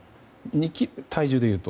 体重でいうと。